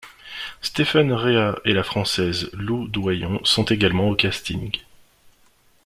Stephen Rea et la Française Lou Doillon sont également au casting.